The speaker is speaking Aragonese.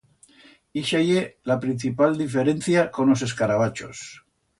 Ixa ye la principal diferencia con os escarabachos.